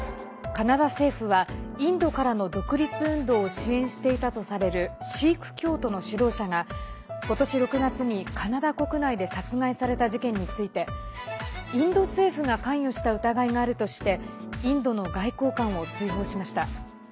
カナダ政府はインドからの独立運動を支援していたとされるシーク教徒の指導者が今年６月にカナダ国内で殺害された事件についてインド政府が関与した疑いがあるとしてインドの外交官を追放しました。